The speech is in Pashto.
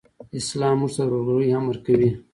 اسلام موږ ته د ورورګلوئ امر کوي.